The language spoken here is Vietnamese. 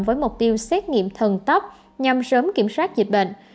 với mục tiêu xét nghiệm thần tốc nhằm sớm kiểm soát dịch bệnh